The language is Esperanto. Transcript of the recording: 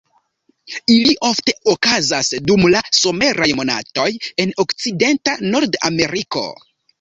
Ili ofte okazas dum la someraj monatoj en okcidenta Nord-Ameriko.